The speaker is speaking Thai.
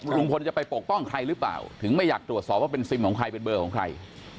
ลุงพลจะไปปกป้องใครหรือเปล่าถึงไม่อยากตรวจสอบว่าเป็นซิมของใครเป็นเบอร์ของใคร